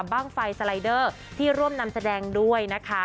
บ้างไฟสไลเดอร์ที่ร่วมนำแสดงด้วยนะคะ